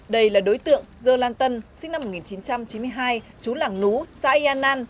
đây là đối tượng dơ lan tân sinh năm một nghìn chín trăm chín mươi hai chú lảng nú xã yên an